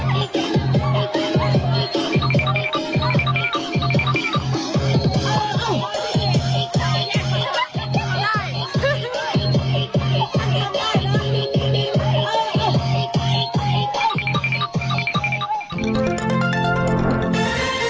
นี่ต้องรอดูเลยแล้วก็รายการต่อไปนะคะข่าวยนไทยรัฐค่ะลาไปแล้วสวัสดีครับสวัสดีครับสวัสดีค่ะ